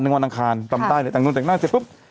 อิกวัมงวานอังคารตั้งแต่งหน้าแบบเค็ด